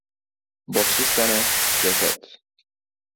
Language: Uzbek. • Boshsiz tana — jasad.